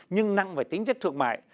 nhưng nặng về tính chất thượng mại